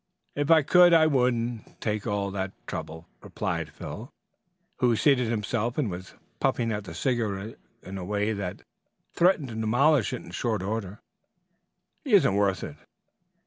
"If I could, I wouldn't take all that trouble," replied Phil, who had seated himself and was puffing at the cigarette in a way that threatened to demolish it in short order. "He isn't worth it."